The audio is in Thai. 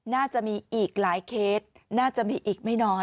น่าจะมีอีกหลายเคสน่าจะมีอีกไม่น้อย